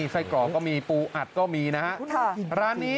ไส้กรอก็มีปูอัดก็มีนะฮะ